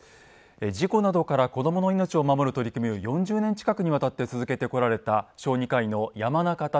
事故などから子どもの命を守る取り組みを４０年近くにわたって続けてこられた小児科医の山中龍宏さん。